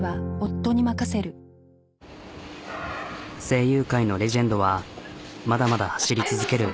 声優界のレジェンドはまだまだ走り続ける。